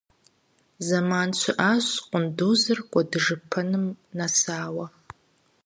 Зэман щыӀащ къундузыр кӀуэдыжыпэным нэсауэ.